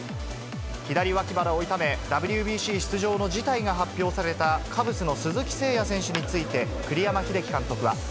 左脇腹を痛め、ＷＢＣ出場の辞退が発表されたカブスの鈴木誠也選手について、栗山英樹監督は。